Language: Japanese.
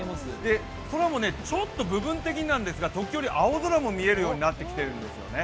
空もちょっと部分的になんですが、時折青空も見えるようになってきているんですよね。